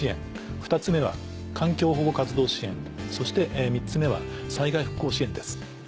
２つ目は環境保護活動支援そして３つ目は災害復興支援です。